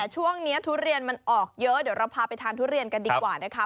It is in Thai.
ทุเรียนมันออกเยอะเดี๋ยวเราพาไปทานทุเรียนกันดีกว่านะคะ